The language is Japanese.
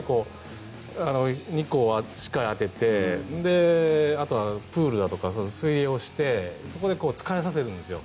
日光はしっかり当ててあとはプールだとか水泳をしてそこで疲れさせるんですよ。